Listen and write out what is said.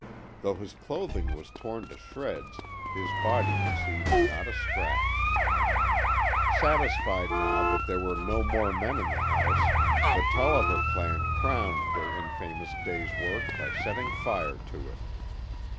Though his clothing was torn to shreds, his body received not a scratch. Satisfied now that there were no more men in the house, the Tolliver clan crowned their infamous day's work by setting fire to it.